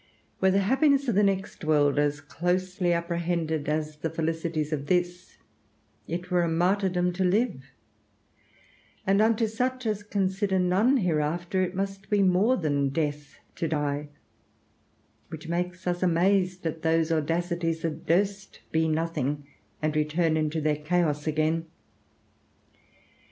Were the happiness of the next world as closely apprehended as the felicities of this, it were a martyrdom to live; and unto such as consider none hereafter, it must be more than death to die, which makes us amazed at those audacities that durst be nothing and return into their chaos again.